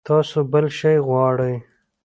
تاسو بل شی غواړئ؟